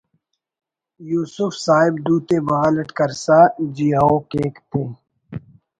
یوسف صاحب دوتے بغل اٹ کرسا جی اؤ کیک تے